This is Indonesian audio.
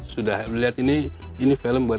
sudah melihat ini ini film buat film film festival